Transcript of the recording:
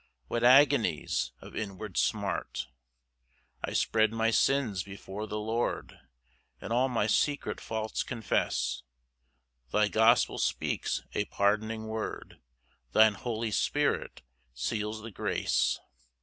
What agonies of inward smart! 2 I spread my sins before the Lord, And all my secret faults confess; Thy gospel speaks a pard'ning word Thine Holy Spirit seals the grace.